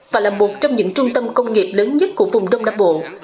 và là một trong những trung tâm công nghiệp lớn nhất của vùng đông nam bộ